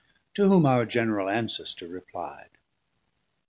To whom our general Ancestor repli'd.